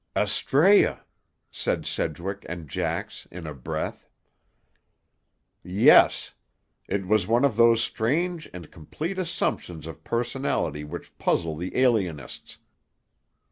"Astræa!" said Sedgwick and Jax in a breath. "Yes. It was one of those strange and complete assumptions of personality which puzzle the alienists.